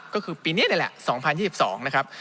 ก็คือปีนี้นี่แหละ๒๐๒๒นะครับ